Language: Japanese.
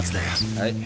はい。